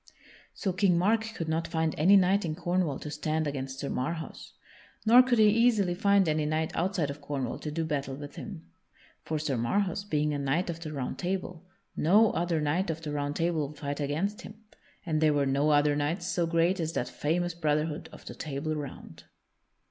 So King Mark could not find any knight in Cornwall to stand against Sir Marhaus. Nor could he easily find any knight outside of Cornwall to do battle with him. For Sir Marhaus, being a knight of the Round Table, no other knight of the Round Table would fight against him and there were no other knights so great as that famous brotherhood of the Table Round.